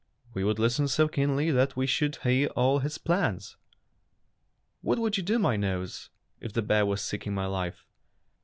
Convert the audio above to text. We would listen so keenly that we should hear all his plans." "What would you do, my nose, if the bear was seeking my life?"